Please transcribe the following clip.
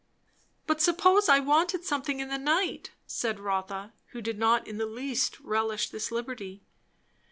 "But suppose I wanted something in the night?" said Rotha, who did not in the least relish this liberty.